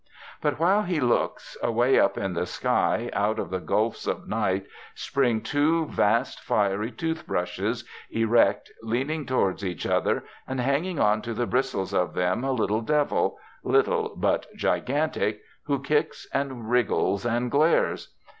But while he looks, away up in the sky, out of the gulfs of night, spring two vast fiery tooth brushes, erect, leaning towards each other, and hanging on to the bristles of them a little Devil, little but gigantic, who kicks and wriggles and glares.